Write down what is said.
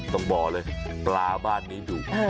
ต้องบอกเลยปลาบ้านนี้ดุ